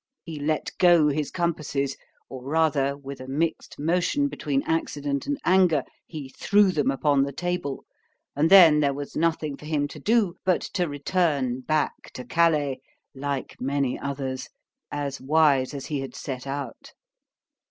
——He let go his compasses—or rather with a mixed motion between accident and anger, he threw them upon the table; and then there was nothing for him to do, but to return back to Calais (like many others) as wise as he had set out.